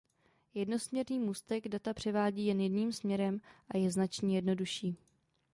Jednosměrný můstek data převádí jen jedním směrem a je značně jednodušší.